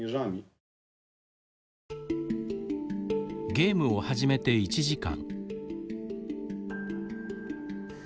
ゲームを始めて１時間。